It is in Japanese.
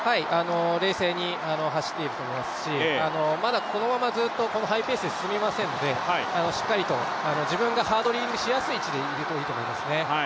冷静に走っていると思いますし、まだこのままずっとハイペースで進みませんのでしっかりと自分がハードリングしやすい位置でいるといいと思いますね。